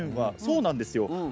そうなんですよ。